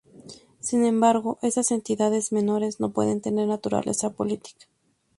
Sin embargo, esas entidades menores no pueden tener naturaleza política.